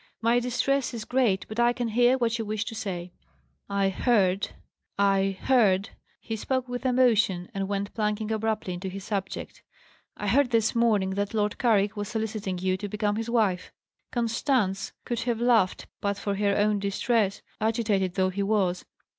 "My distress is great, but I can hear what you wish to say." "I heard I heard" he spoke with emotion, and went plunging abruptly into his subject "I heard this morning that Lord Carrick was soliciting you to become his wife." Constance could have laughed, but for her own distress, agitated though he was.